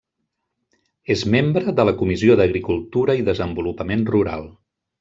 És membre de la Comissió d'Agricultura i Desenvolupament Rural.